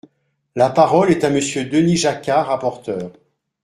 La parole est à Monsieur Denis Jacquat, rapporteur.